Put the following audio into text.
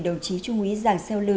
đồng chí trung úy giàng xeo lử